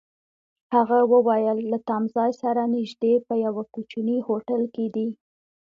هغه وویل: له تمځای سره نژدې، په یوه کوچني هوټل کي دي.